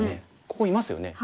ここいますよね。